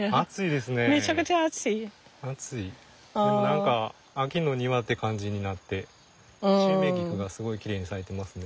でも何か秋の庭って感じになってシュウメイギクがすごいきれいに咲いてますね。